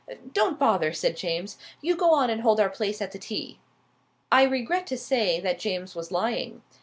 "Don't bother," said James. "You go on and hold our place at the tee." I regret to say that James was lying.